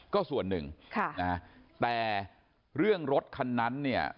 ก็ส่วนหนึ่งแต่เรื่องรถคันนั้นเนี่ย